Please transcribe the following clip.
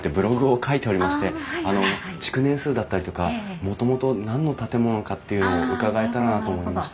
築年数だったりとかもともと何の建物かっていうのを伺えたらなと思いまして。